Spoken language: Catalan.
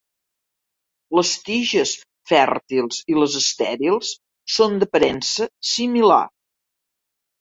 Les tiges fèrtils i les estèrils són d'aparença similar.